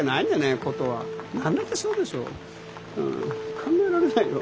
考えられないよ。